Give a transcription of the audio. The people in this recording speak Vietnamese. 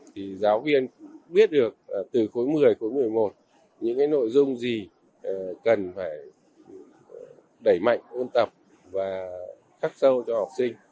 thì giáo viên biết được từ khối một mươi khối một mươi một những nội dung gì cần phải đẩy mạnh ôn tập và khắc sâu cho học sinh